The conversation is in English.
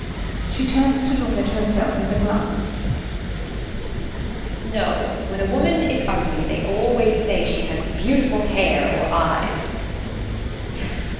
[She turns to look at herself in the glass] No, when a woman is ugly they always say she has beautiful hair or eyes.